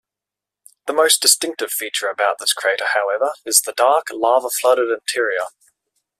The most distinctive feature about this crater, however, is the dark, lava-flooded interior.